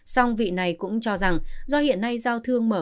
song vị này cũng cho rằng do hiện nay giao thương mở